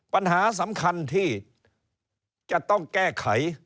ปัญหาสำคัญที่จะต้องแก้ไข